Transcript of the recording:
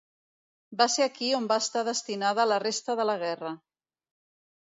Va ser aquí on va estar destinada la resta de la guerra.